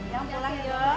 ya pulang yuk